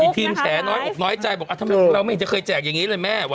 มีทีมแสนน้อยอุ๊บน้อยใจบอกว่าทำไมเราไม่จะเคยแจกอย่างนี้เลยแม่วะ